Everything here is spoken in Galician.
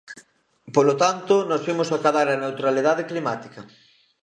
Polo tanto, nós imos acadar a neutralidade climática.